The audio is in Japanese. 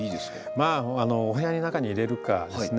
まあお部屋の中に入れるかですね。